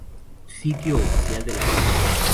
Sitio oficial de la banda